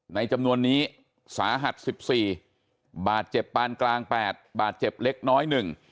ในจำนวนนี้สาหัส๑๔บาดเจ็บปานกลาง๘บาดเจ็บเล็กน้อย๑